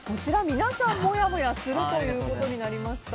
皆さん、もやもやするということになりました。